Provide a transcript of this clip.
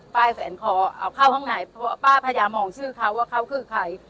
ป้ายแสนคอเอาเข้าห้องไหนเพราะป้าพยายามมองชื่อเขาว่าเขาคือใคร